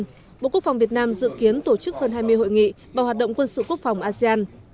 năm hai nghìn hai mươi bộ quốc phòng việt nam dự kiến tổ chức hơn hai mươi hội nghị vào hoạt động quân sự quốc phòng asean